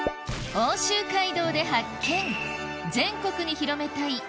奥州街道で発見！